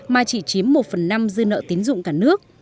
mà chỉ chiếm một phần năm dư nợ tín dụng cả nước